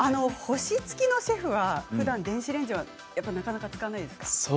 星付きのシェフはふだん電子レンジはなかなか使わないですか？